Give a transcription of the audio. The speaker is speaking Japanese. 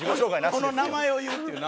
この名前を言うっていうな。